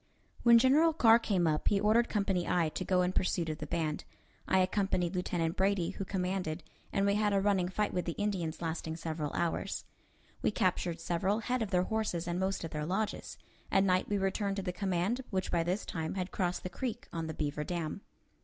When General Carr came up, he ordered Company I to go in pursuit of the band. I accompanied Lieutenant Brady, who commanded, and we had a running fight with the Indians, lasting several hours. We captured several head of their horses and most of their lodges. At night we returned to the command, which by this time had crossed the creek on the beaver dam.